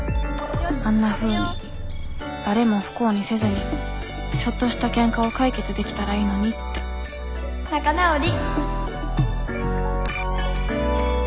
あんなふうに誰も不幸にせずにちょっとしたケンカを解決できたらいいのにって仲直り。